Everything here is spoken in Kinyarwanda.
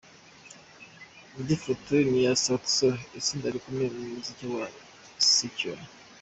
Indi foto ni iya Saut Sol, itsinda rikomeye mu muziki wa Secular.